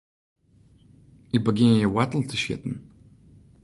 Ik begjin hjir woartel te sjitten.